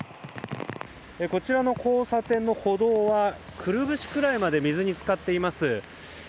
こちらの交差点の歩道はくるぶしくらいまで水に浸かっています。